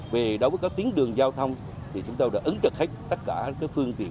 về đối với cái tuyến đường giao thông thì chúng ta đã ứng trật hết tất cả các phương tiện